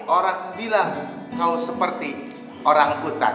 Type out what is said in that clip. orang bilang kau seperti orang utan